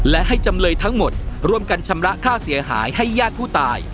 และให้จำเลยทั้งหมดร่วมกันชำระค่าเสียหายให้ญาติผู้ตาย